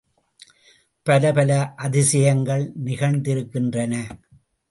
பலபல அதிசயங்கள் நிகழ்த்திருக்கின்றன.